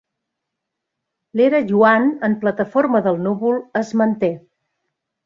L'era Yuan en plataforma del núvol es manté.